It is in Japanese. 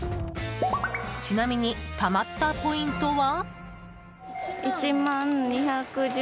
ちなみに、たまったポイントは？